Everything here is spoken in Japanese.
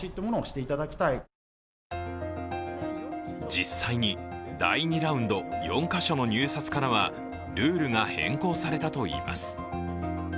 実際に、第２ラウンド４か所の入札からはルールが変更されたといいます。